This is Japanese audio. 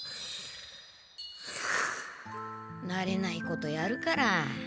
なれないことやるから。